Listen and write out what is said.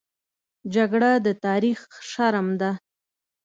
جګړه د تاریخ شرم ده